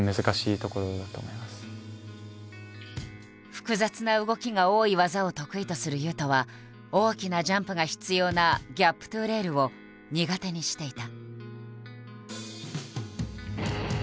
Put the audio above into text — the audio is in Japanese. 複雑な動きが多い技を得意とする雄斗は大きなジャンプが必要な「ギャップｔｏレール」を苦手にしていた。